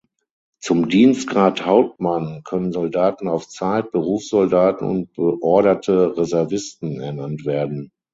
Zum Dienstgrad Hauptmann können Soldaten auf Zeit, Berufssoldaten und beorderte Reservisten ernannt werden.